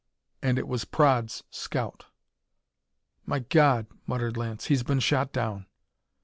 And it was Praed's scout! "My God!" muttered Lance. "He's been shot down!"